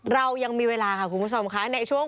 เรายังมีเวลาค่ะคุณผู้ชมค่ะในช่วง